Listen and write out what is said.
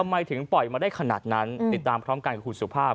ทำไมถึงปล่อยมาได้ขนาดนั้นติดตามพร้อมกันกับคุณสุภาพ